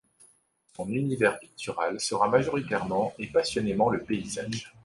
Son univers pictural sera majoritairement et passionnément le paysage.